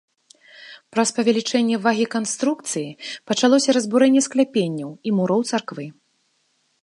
Праз павелічэнне вагі канструкцыі пачалося разбурэнне скляпенняў і муроў царквы.